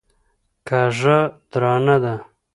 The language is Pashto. کږه درانه ده.